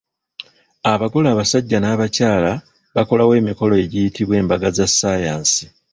Abagole abasajja n'abakyala bakolawo emikolo egiyitibwa embaga za ssaayansi.